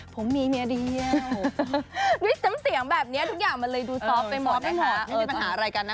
ผมมีเมียเดียวด้วยเสียงแบบเนี้ยทุกอย่างมันเลยดูซอฟต์ไปหมดนะคะ